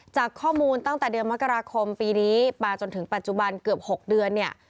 จากข้อมูลตั้งแต่เดือนมกราคมปีนี้มาจนถึงปัจจุบันเกือบ๖เดือนเนี่ย